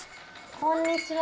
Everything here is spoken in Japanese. こんにちは。